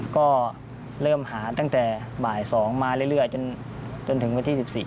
ก็เริ่มหาตั้งแต่บ่าย๒มาเรื่อยจนถึงวันที่๑๔